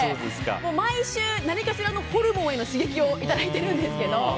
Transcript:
毎週何かしらのホルモンへの刺激をいただいているんですけど。